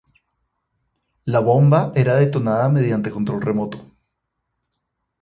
La bomba era detonada mediante control remoto.